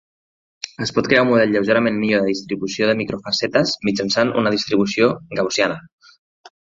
Es pot crear un model lleugerament millor de distribució de microfacetes mitjançant una distribució gaussiana.